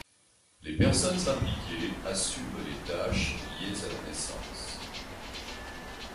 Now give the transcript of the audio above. Les personnes impliquées assument les tâches liées à la naissance.